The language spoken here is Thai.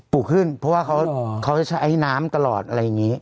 ขึ้นเพราะว่าเขาจะใช้น้ำตลอดอะไรอย่างนี้